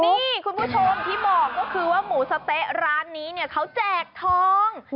นี่คุณผู้ชมที่บอกก็คือว่าหมูสะเต๊ะร้านนี้เนี่ยเขาแจกทอง